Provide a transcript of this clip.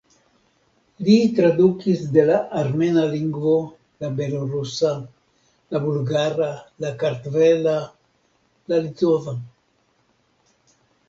Li tradukis de la armena lingvo, la belorusa, la bulgara, la kartvela, la litova.